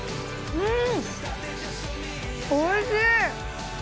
うん。